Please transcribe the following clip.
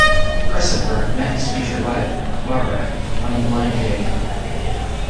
Christopher met his future wife, Barbara, on a blind date.